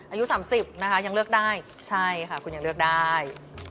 อายุ๓๐นะคะยังเลือกได้ใช่ค่ะคุณยังเลือกได้